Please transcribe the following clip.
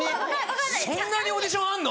そんなにオーディションあんの⁉